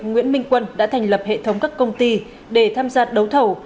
nguyễn minh quân đã thành lập hệ thống các công ty để tham gia đấu thầu